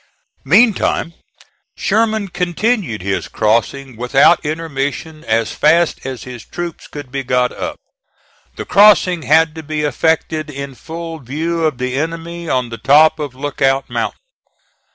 Meantime, Sherman continued his crossing without intermission as fast as his troops could be got up. The crossing had to be effected in full view of the enemy on the top of Lookout Mountain.